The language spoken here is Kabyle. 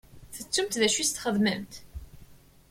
Tettumt d acu i s-txedmemt?